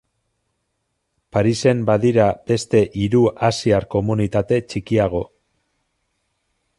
Parisen badira beste hiru asiar komunitate txikiago.